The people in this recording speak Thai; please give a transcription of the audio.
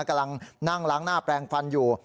กำลังนั่งล้างหน้าแปลงฟันอยู่